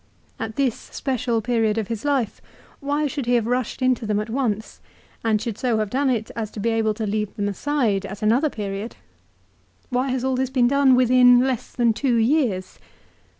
At this special period of his life why should he have rushed into them at once, and should so have done it as to be able to leave them aside at another period ? Why has all this been done within less than two years